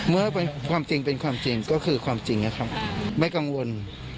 เมื่อความจริงเป็นความจริงก็คือความจริงนะครับไม่กังวล